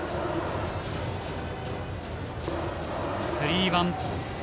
スリーワン。